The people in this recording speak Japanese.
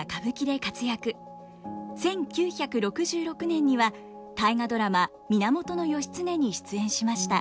１９６６年には「大河ドラマ源義経」に出演しました。